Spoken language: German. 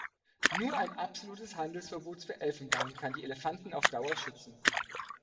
Nur ein absolutes Handelsverbot für Elfenbein kann die Elefanten auf Dauer schützen.